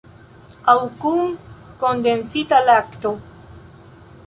Aŭ kun kondensita lakto.